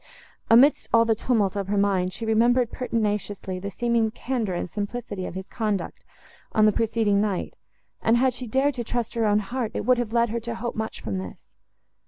Amidst all the tumult of her mind, she remembered pertinaciously the seeming candour and simplicity of his conduct, on the preceding night; and, had she dared to trust her own heart, it would have led her to hope much from this.